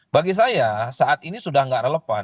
bagi saya saat ini sudah tidak relevan